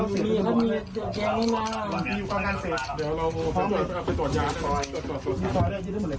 อยู่กำลังเสร็จเดี๋ยวเราไปสดยาด้วย